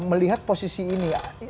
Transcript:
melihat posisi ini